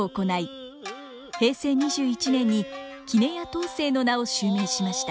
平成２１年に杵屋東成の名を襲名しました。